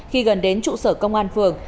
khi gần đến trụ sở công an phường